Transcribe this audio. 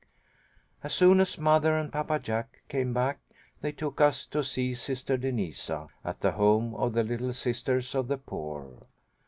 As soon as mother and Papa Jack came back, they took us to see Sister Denisa at the home of the Little Sisters of the Poor.